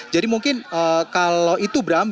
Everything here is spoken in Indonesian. jadi mungkin kalau itu bram